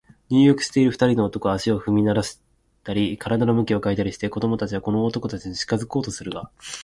入浴している二人の男は、足を踏みならしたり、身体を向き変えたりしており、子供たちはこの男たちに近づこうとするが、